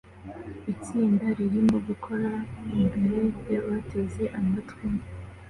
Itsinda ririmo gukora imbere yabateze amatwi